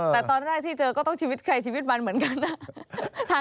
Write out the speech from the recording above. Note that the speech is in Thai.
แต่ตอนแรกที่เจอก็ต้องชีวิตใครชีวิตมันเหมือนกันนะ